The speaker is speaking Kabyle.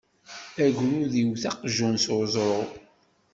Agrud iwet aqjun s uẓru.